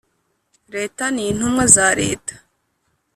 Leta n Intumwa za Leta